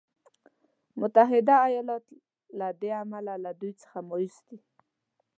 متحده ایالات له دې امله له دوی څخه مایوس دی.